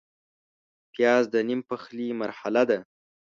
پیاز د نیم پخلي مرحله ده